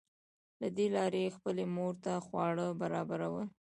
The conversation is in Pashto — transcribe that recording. له دې لارې یې خپلې مور ته خواړه برابرول